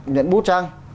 nhận bút chăng